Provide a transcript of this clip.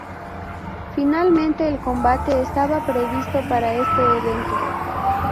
Finalmente, el combate estaba previsto para este evento.